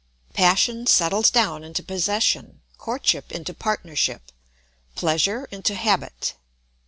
Passion settles down into possession, courtship into partnership, pleasure into habit.